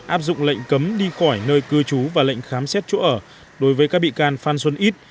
áp dụng lệnh cấm đi khỏi nơi cư trú và lệnh khám xét chỗ ở đối với các bị can phan xuân ít